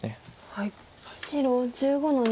白１５の二。